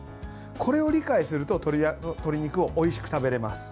これを理解すると鶏肉をおいしく食べられます。